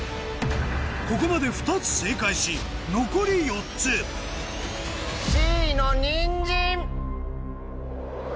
ここまで２つ正解し残り４つＣのにんじん。